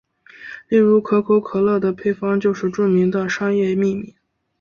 例如可口可乐的配方就是著名的商业秘密。